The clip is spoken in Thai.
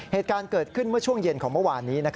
เหตุการณ์เกิดขึ้นเมื่อช่วงเย็นของเมื่อวานนี้